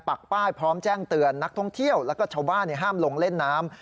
ปักป้ายพร้อมแจ้งเตือนนักท่องเที่ยวแล้วก็ชาวบ้านห้ามลงเล่นน้ำ